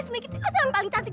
semik itu yang paling cantik